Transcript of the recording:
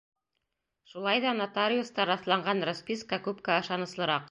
Шулай ҙа нотариуста раҫланған расписка күпкә ышаныслыраҡ.